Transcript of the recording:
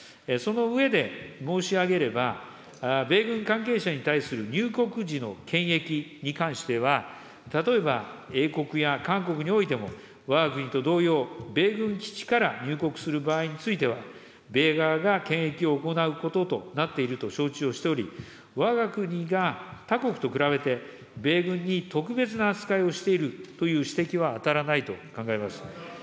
その上で、申し上げれば、米軍関係者に対する入国時の検疫に関しては、例えば英国や韓国においても、わが国と同様、米軍基地から入国する場合については、米側が検疫を行うこととなっていると承知をしており、わが国が他国と比べて、米軍に特別な扱いをしているという指摘はあたらないと考えます。